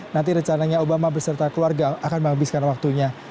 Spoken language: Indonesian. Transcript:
nanti rencananya obama beserta keluarga akan menghabiskan waktunya